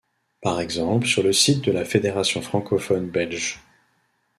Par exemple sur le site de la Fédération francophone belge.